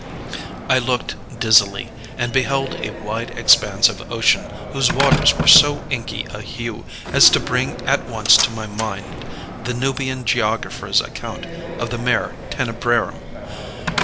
I looked dizzily, and beheld a wide expanse of ocean whose waters wore so inky a hue as to bring at once to my mind the Nubian geographer's account of the Mare Tenebrarum.